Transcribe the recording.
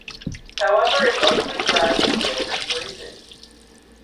However he mostly drives for Lamers Racing.